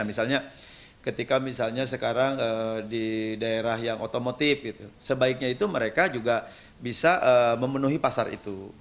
misalnya ketika misalnya sekarang di daerah yang otomotif sebaiknya itu mereka juga bisa memenuhi pasar itu